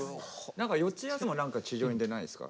何か四ツ谷も地上に出ないですか？